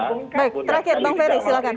baik terakhir bang ferry silahkan